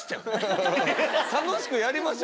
楽しくやりましょ。